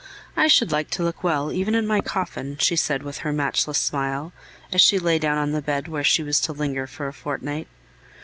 "I should like to look well even in my coffin," she said with her matchless smile, as she lay down on the bed where she was to linger for a fortnight.